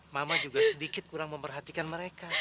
mama juga sedikit kurang memperhatikan mereka